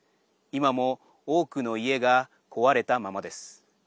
今も多くの家が壊れたままです。